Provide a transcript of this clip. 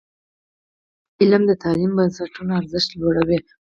علم د تعلیمي بنسټونو ارزښت لوړوي.